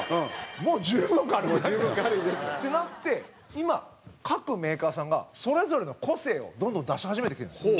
もう十分軽くない？ってなって今、各メーカーさんがそれぞれの個性を、どんどん出し始めてきてるんです。